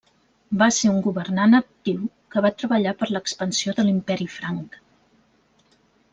Va ser un governant actiu que va treballar per l’expansió de l’Imperi Franc.